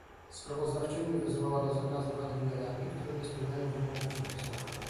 Sprawozdawczyni wezwała do zakazu handlu jajami, które nie spełniają wymogów przepisów